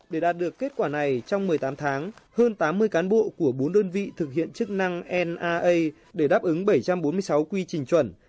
để đạt được kết quả này trong một mươi tám tháng hơn tám mươi cán bộ của bốn đơn vị thực hiện chức năng naa để đáp ứng bảy trăm bốn mươi sáu quy trình chuẩn